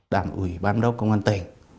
đảng ủy ban đốc công an tỉnh